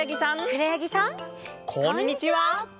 こんにちは！